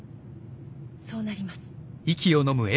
そうなります。